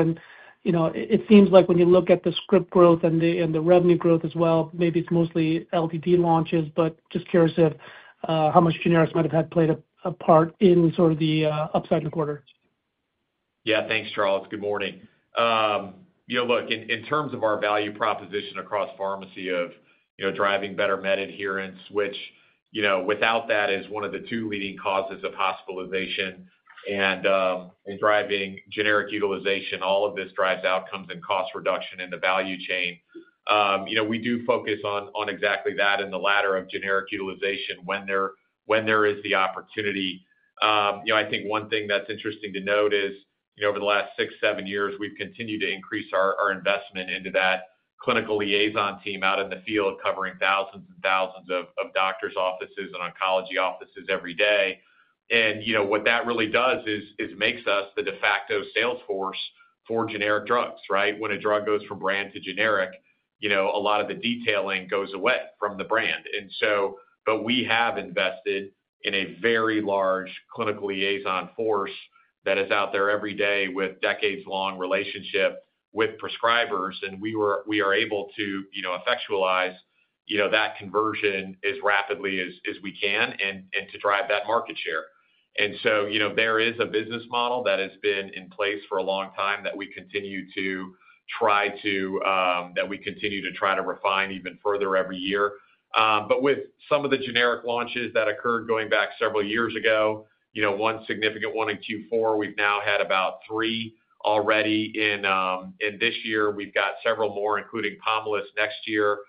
It seems like when you look at the script growth and the revenue growth as well, maybe it's mostly LDD launches. Just curious how much generics might have had played a part in sort of the upside in the quarter. Yeah, thanks, Charles. Good morning. In terms of our value proposition across pharmacy of driving better med adherence, which without that is one of the two leading causes of hospitalization, and driving generic utilization, all of this drives outcomes and cost reduction in the value chain. We do focus on exactly that in the latter of generic utilization when there is the opportunity. I think one thing that's interesting to note is over the last six or seven years we've continued to increase our investment into that clinical liaison team out in the field covering thousands and thousands of doctors' offices and oncology offices every day. What that really does is makes us the de facto sales force for generic drugs, right? When a drug goes from brand to generic, a lot of the detailing goes. Away from the brand. We have invested in a very large clinical liaison force that is out there every day with decades-long relationships with prescribers, and we are able to effectualize that conversion as rapidly as we can to drive that market share. There is a business model that has been in place for a long time that we continue to try to refine even further every year. With some of the generic launches that occurred going back several years ago, one significant one in Q4, we've now had about three already in this year. We've got several more including Pomalyst next year.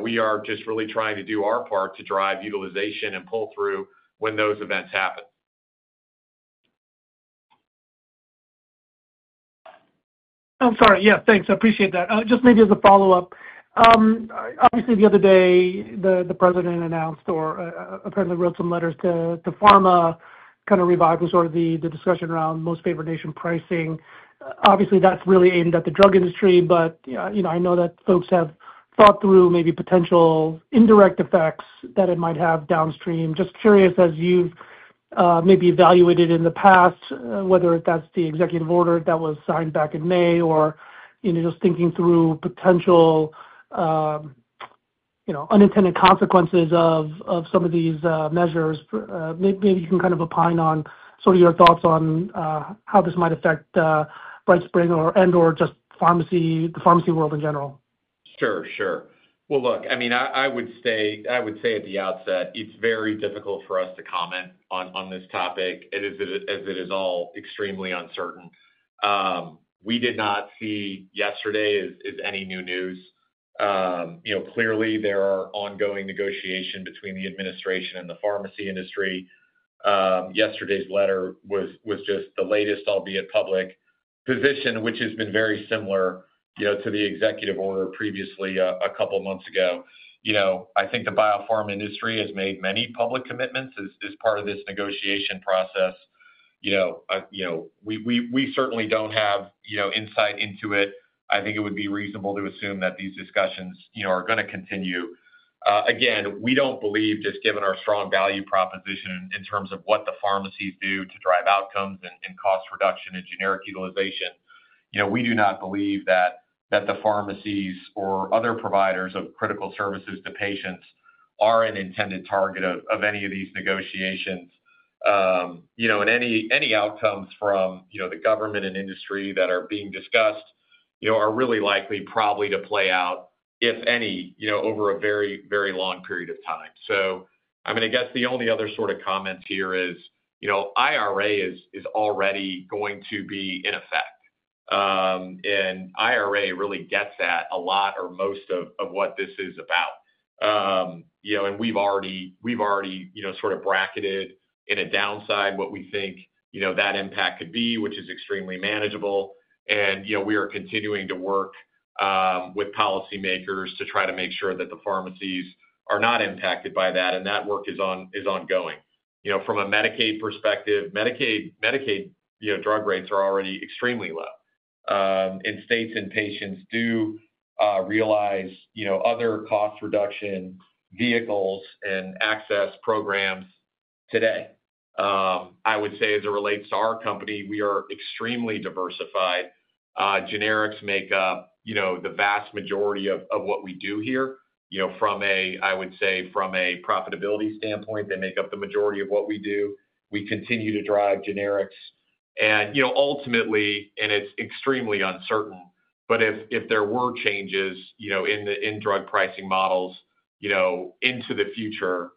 We are just really trying to do our part to drive utilization and pull through when those events happen. I'm sorry. Yeah, thanks. I appreciate that. Just maybe as a follow up, obviously the other day the President announced or apparently wrote some letters to pharma, kind of reviving sort of the discussion around most favored nation pricing. Obviously that's really aimed at the drug industry, but I know that folks have thought through maybe potential indirect effects that it might have downstream. Just curious, as you've maybe evaluated in the past, whether that's the executive order that was signed back in May, or just thinking through potential unintended consequences of some of these measures, maybe you can kind of opine on sort of your thoughts on how this might affect BrightSpring and, / just pharmacy, the pharmacy world in general. Sure, sure. I mean, I would say at the outset it's very difficult for us to comment on this topic as it is all extremely uncertain. We did not see yesterday as any new news. You know, clearly there are ongoing negotiations between the administration and the pharmacy industry. Yesterday's letter was just the latest, albeit public, position, which has been very similar to the executive order previously a couple months ago. I think the biopharma industry has made many public commitments as part of this negotiation process. We certainly don't have insight into it. I think it would be reasonable to assume that these discussions are going to continue. We don't believe, just given our strong value proposition in terms of what the pharmacies do to drive outcomes and cost reduction and generic utilization, we do not believe that the pharmacies or other providers of critical services to patients are an intended target of any of these negotiations, any outcomes from the government industry that are being discussed, you know are really likely to play out, if any, over a very very long period of time. I guess the only other sort of comment here is, you know, IRA is already going to be in effect. IRA really gets at a lot or most of what this is about, you know, and we've already, we've already sort of bracketed in a downside what we think that impact could be, which is extremely manageable. We are continuing to work with policymakers to try to make sure that the pharmacies are not impacted by that and that work is ongoing. From a Medicaid perspective, Medicaid drug rates are already extremely low in states, and patients do realize other cost reduction vehicles and access programs today. I would say, as it relates to our company, we are extremely diversified. Generics make up, you know, the vast. Majority of what we do here. You know, from a, I would say from a profitability standpoint, they make up the majority of what we do. We continue to drive generics and, you know, ultimately, it's extremely uncertain, but if there were changes in drug pricing models into the future,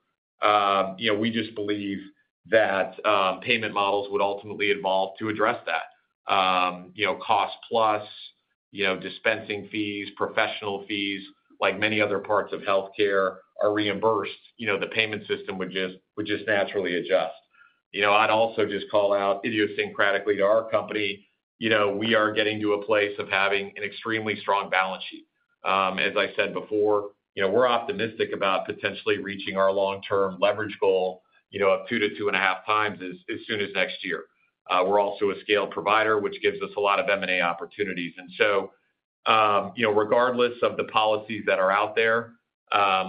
we just believe that payment models would ultimately evolve to address that, cost plus, dispensing fees, professional fees, like many other parts of healthcare are reimbursed. You know, the payment system would just naturally adjust. I'd also just call out idiosyncratically to our company. You know, we are getting to a place of having an extremely strong balance sheet. As said before, we're optimistic about potentially reaching our long-term leverage goal of two to two and a half x as soon as next year. We're also a scale provider, which gives us a lot of M&A opportunities. Regardless of the policies that are out there,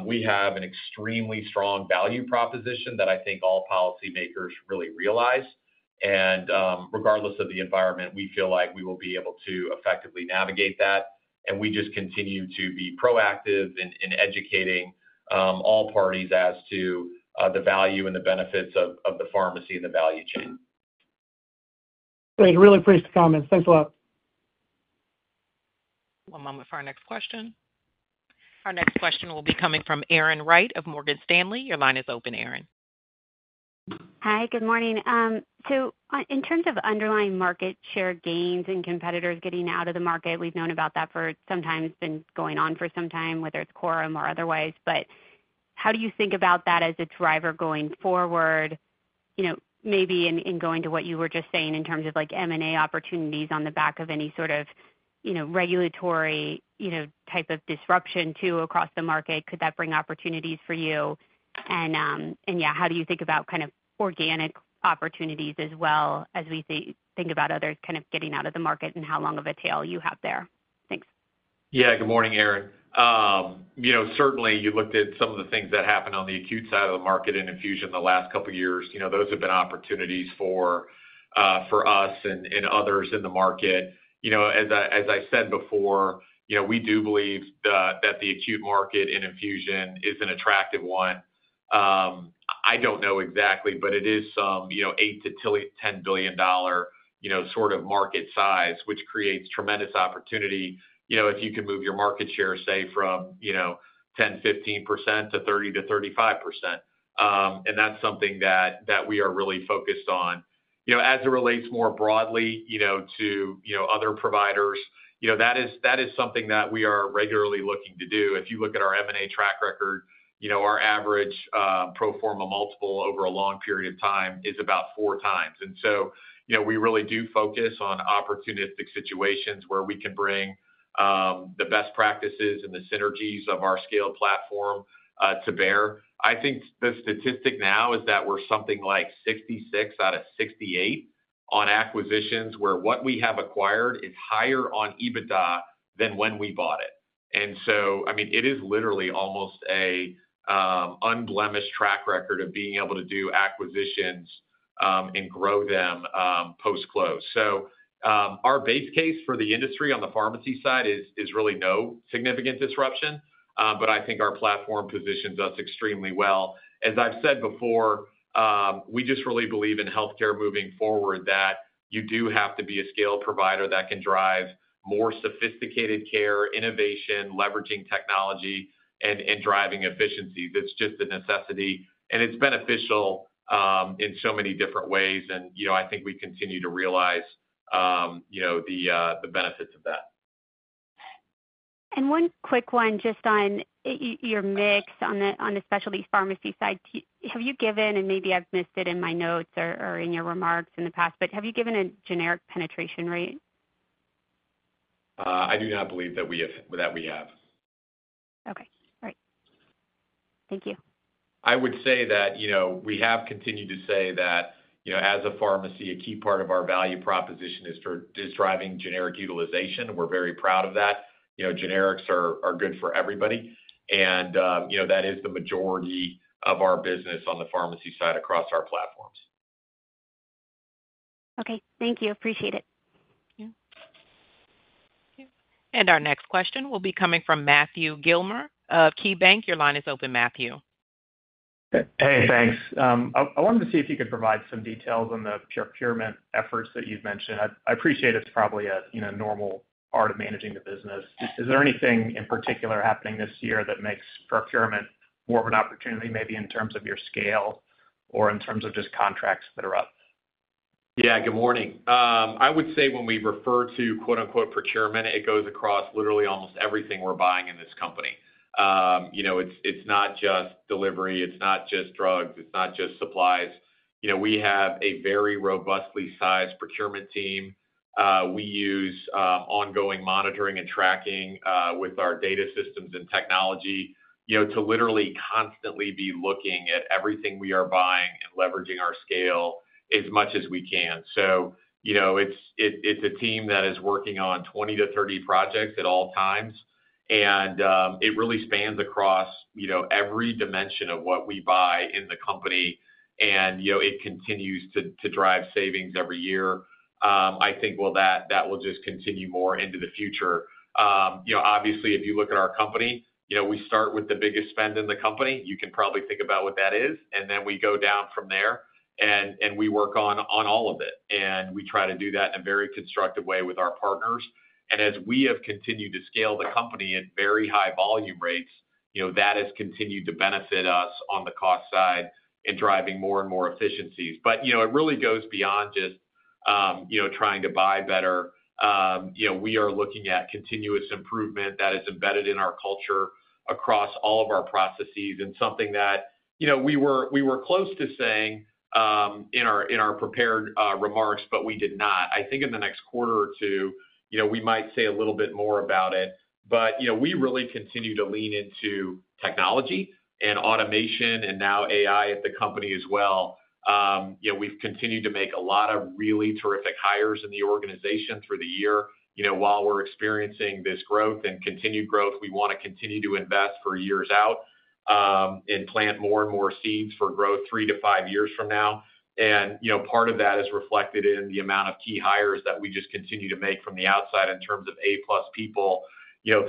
we have an extremely strong value proposition that I think all policymakers really realize. Regardless of the environment, we feel like we will be able to effectively navigate that. We just continue to be proactive in educating all parties as to the value and the benefits of the pharmacy of the value chain. Great. Really appreciate the comments. Thanks a lot. One moment for our next question. Our next question will be coming from Erin Wright of Morgan Stanley. Your line is open Erin. hi, good morning. In terms of underlying market share gains and competitors getting out of the market, we've known about that for some time. It's been going on for some time, whether it's quorum or otherwise. How do you think about that as a driver going forward? Maybe in going to what you were just saying in terms of M&A opportunities on the back of any sort of regulatory type of disruption too across the market, could that bring opportunities for you? How do you think about organic opportunities as well as we think about others getting out of the market and how long of a tail you have there? Thanks. Yeah, good morning, Erin. Certainly you looked at some of the things that happened on the acute side of the market in infusion the last couple of years. Those have been opportunities for us and others in the market. As I said before, we do believe that the acute market in infusion is an attractive one. I don't know exactly, but it is some $8 billion-$10 billion sort of market size, which creates tremendous opportunity, you know, if you can move your market share, say from you, you know 10%, 15%-30%, to 35%. That's something that we are really focused on, as it relates more broadly to other providers. That is something that we are regularly looking to do. If you look at our M&A track record, our average pro forma. Multiple over a long period of time is about 4x. We really do focus on opportunistic situations where we can bring the best practices and the synergies of our scaled platform to bear. I think the statistic now is that we're something like 66 out of 68 on acquisitions, where what we have acquired is higher on EBITDA than when we bought is literally almost an unblemished track record of being able to do acquisitions and grow them post close. Our base case for the industry on the pharmacy side is really no significant disruption. I think our platform positions us extremely well. As I've said before, we just really believe in healthcare moving forward, that you do have to be a scale provider that can drive more sophisticated care innovation, leveraging technology and driving efficiency. That's just a necessity, and it's beneficial in so many different ways. I think we continue to realize the benefits of that. One quick one, just on your mix, on the specialty pharmacy side, have you given, and maybe I've missed it in my notes or in your remarks in the past, but have you given a generic penetration rate? I do not believe that we have. Okay, all right, thank you. I would say that we have continued to say that, you know, as a pharmacy, a key part of our value proposition is driving generic utilization. We're very proud of that. Generics are good for everybody. That is the majority of our business on the pharmacy side across our platforms. Okay, thank you. Appreciate it. Our next question will be coming from Matthew Gillmor of KeyBanc. Your line is open, Matthew. Hey, thanks. I wanted to see if you could provide some details on the procurement efforts that you've mentioned. I appreciate it's probably a normal part of managing the business. Is there anything in particular happening this year that makes procurement more of an opportunity? Maybe in terms of your scale or in terms of just contracts that are up? Yeah. Good morning. I would say when we refer to, quote, unquote, procurement, it goes across literally almost everything we're buying in this company. It's not just delivery, it's not just drugs, it's not just supplies. We have a very robustly sized procurement team. We use ongoing monitoring and tracking with our data systems and technology to literally constantly be looking at everything we are buying and leveraging our scale as much as we can. It's a team that is working on 20-30 projects at all timee. It really spans across every dimension of what we buy in the company, and it continues to drive savings every year. I think that will just continue more into the future. Obviously, if you look at our company, we start with the biggest spend in the company. You can probably think about what that is. We go down from there and we work on all of it. We try to do that i a very constructive way with our partners. As we have continued to scale the company at very high volume rates, that has continued to benefit us on the cost side in driving more and more efficiencies. It really goes beyond just trying to buy better. We are looking at continuous improvement that Is embedded in our culture across all of our processes that's something that we were close to saying in our prepared remarks, but we did not. I think in the next quarter we might say a little bit more about it. We really continue to lean into technology and automation and now AI, the company as well. We've continued to make a lot of really terrific hires in the organization through the year. While we're experiencing this growth and continued growth, we want to continue to invest for years out and plant more and more seeds for growth three to five years from now. Part of that is reflected in the amount of key hires that we just continue to make from the outside in terms of people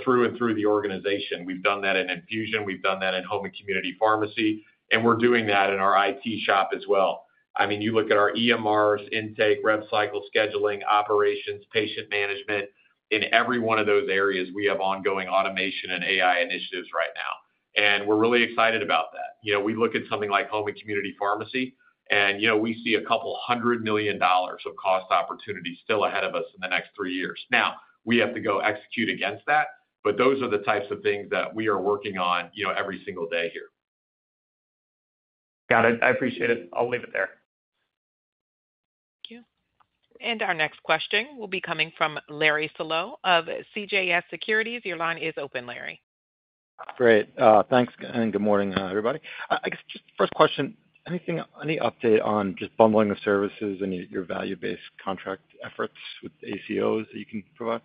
through and through the organization. We've done that in infusion, we've done that in home and community pharmacy and we're doing that in our IT shop as well. I mean, you look at our EMRs, intake, rev cycle, scheduling operations, patient management. In every one of those areas, we have ongoing automation and AI initiatives right now, and we're really excited about that. We look at something like home and community pharmacy, and we see a couple $100 million of cost opportunities still ahead of us in the next three years. Now we have to go execute against that, but those are the types of things that we are working on every single day here. Got it. I appreciate it. I'll leave it there. Thank you. Our next question will be coming from Larry Salo of CJS Securities. Your line is open, Larry. Great, thanks. Good morning everybody. I guess just first question, anything update on just bundling the services and your value-based contract efforts with ACO initiatives that you can provide?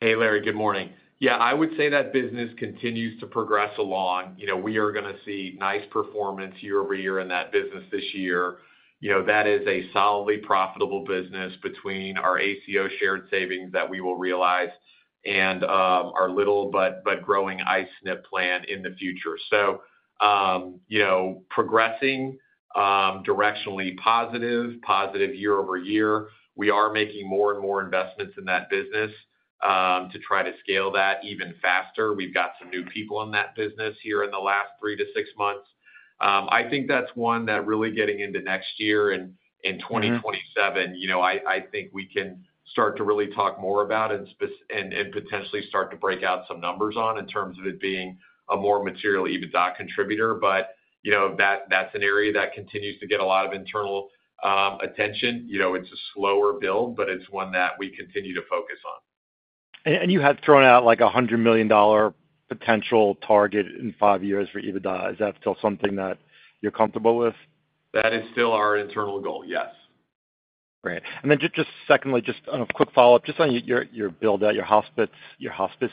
Hey Larry. Good morning. I would say that business continues to progress along. You know we are going to see nice performance year over year in that business this year. You know that is a solidly profitable business. Between our ACO shared savings that we will realize and our little but growing I-SNP plan in the future progressing directionally. Positive, positive year over year. We are making more and more investments in that business to try to scale that even faster. We've got some new people in that business here in the last three to six months. I think that's one that really gets into next year and 2027. I think we can start to really talk more about and potentially start to break out some numbers on in terms of it being a more material EBITDA contributor. That's an area that continues to get a lot of internal attention. It's a slower build, but it's one that we continue to focus on. You had thrown out $100 million potential target in five years for EBITDA. Is that still something that you're comfortable with? That is still our internal goal, yes. Great. Secondly, just a quick follow up just on your build out your hospice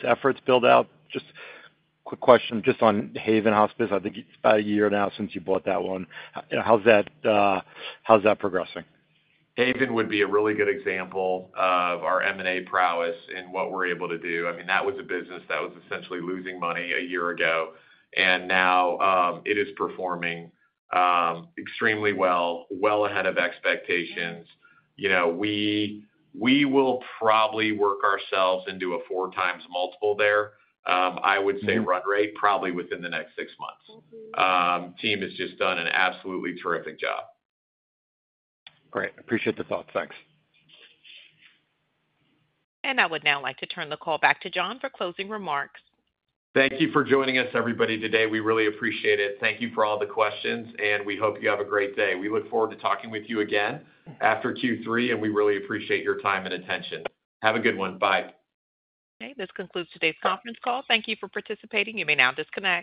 efforts. Just quick question just on Haven Hospice. I think it's about a year now since you bought that one. How's that progressing? Haven would be a really good example of our M&A prowess and what we're able to do. I mean, that was a business that was essentially losing money a year ago, and now it is performing extremely well, well ahead of expectations. We will probably work ourselves into a 4x multiple there, I would say run rate probably within the next six months. Team has just done an absolutely terrific job. Great. Appreciate the thoughts. Thanks. I would now like to turn the call back to Jon for closing remarks. Thank you for joining us, everybody, today. We really appreciate it. Thank you for all the questions and we hope you have a great day. We look forward to talking with you again after Q3. We really appreciate your time and attention. Have a good one. Bye. Okay, this concludes today's conference call. Thank you for participating. You may now disconnect.